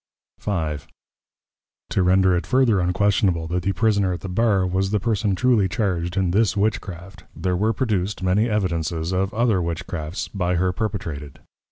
V. To render it further unquestionable, that the Prisoner at the Bar, was the Person truly charged in THIS Witchcraft, there were produced many Evidences of OTHER Witchcrafts, by her perpetrated.